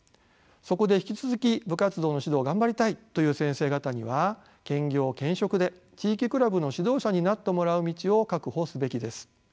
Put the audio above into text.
そこで引き続き部活動の指導を頑張りたいという先生方には兼業兼職で地域クラブの指導者になってもらう道を確保すべきです。